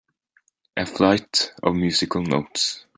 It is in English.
A flight (of musical notes)